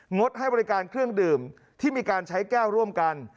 ดให้บริการเครื่องดื่มที่มีการใช้แก้วร่วมกัน